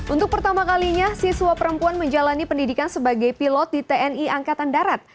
untuk pertama kalinya siswa perempuan menjalani pendidikan sebagai pilot di tni angkatan darat